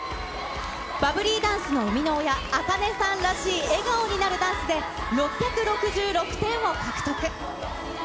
バブリーダンスの生みの親、ａｋａｎｅさんらしい笑顔になるダンスで、６６６点を獲得。